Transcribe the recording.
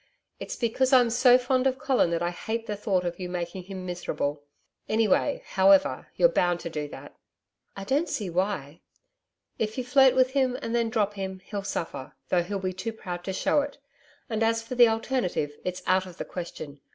'It's because I'm so fond of Colin that I hate the thought of your making him miserable. Anyway, however, you're bound to do that.' 'I don't see why.' 'If you flirt with him and then drop him, he'll suffer, though he'll be too proud to show it. And as for the alternative, it's out of the question.